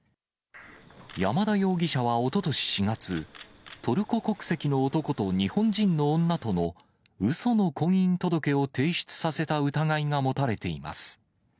山田容疑者はおととし４月、トルコ国籍の男と日本人の女とのうその婚姻届を提出させた疑いが持たれています。